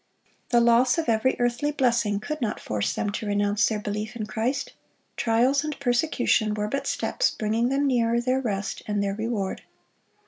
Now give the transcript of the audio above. The loss of every earthly blessing could not force them to renounce their belief in Christ. Trials and persecution were but steps bringing them nearer their rest and their reward.